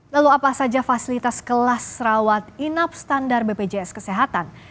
lalu apa saja fasilitas kelas rawat inap standar bpjs kesehatan